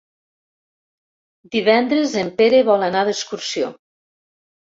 Divendres en Pere vol anar d'excursió.